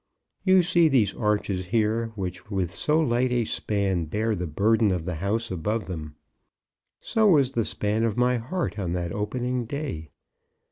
You see these arches here which with so light a span bear the burden of the house above them. So was the span of my heart on that opening day.